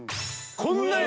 こんなに。